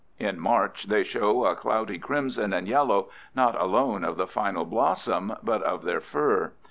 In March they show a cloudy crimson and yellow not alone of the final blossom, but of their fur.